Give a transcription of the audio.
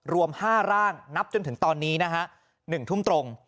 รวม๕ร่างนับจนถึงตอนนี้นะฮะ๑ทุ่มตรง